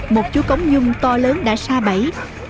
một chú cống dung to lớn đã sa bẫy